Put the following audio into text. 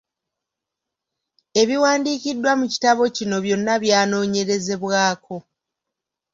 Ebiwandiikiddwa mu kitabo kino byonna byanoonyerezebwako.